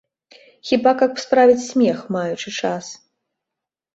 Хіба каб справіць смех, маючы час.